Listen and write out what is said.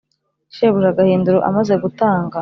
shebuja gahindiro amaze gutanga,